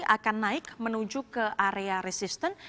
akan naik menuju ke area resistant